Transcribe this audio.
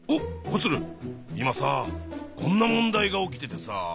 こんな問題が起きててさ。